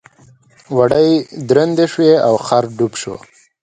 وړۍ درندې شوې او خر ډوب شو.